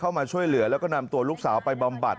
เข้ามาช่วยเหลือแล้วก็นำตัวลูกสาวไปบำบัด